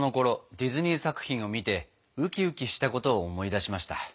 ディズニー作品を見てウキウキしたことを思い出しました。